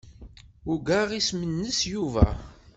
Ugaɣ isem-nnes Yuba.